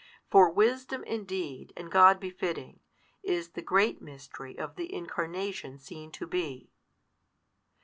For wisdom indeed and God befitting, is the great mystery of the Incarnation seen to be.